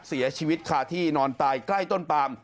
เสียชีวิตคาที่นอนตายใกล้ต้นปาม